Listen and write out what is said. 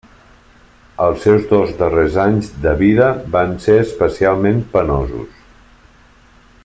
Els seus dos darrers anys de vida van ser especialment penosos.